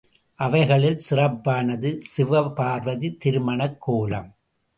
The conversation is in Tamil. அவைகளில் சிறப்பானது சிவபார்வதி திருமணக் கோலம்.